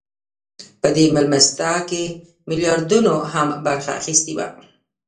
په دې مېلمستیا کې میلیاردرانو هم برخه اخیستې وه